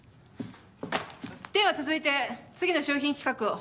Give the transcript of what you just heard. では続いて次の商品企画を。